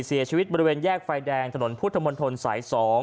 เสียชีวิตบริเวณแยกไฟแดงถนนพุทธมนตรสาย๒